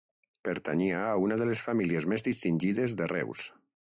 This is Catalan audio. Pertanyia a una de les famílies més distingides de Reus.